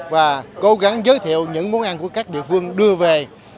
và cố gắng giới thiệu những món ăn của các địa phương đưa về